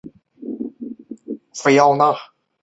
靠生命维持系统维持生命。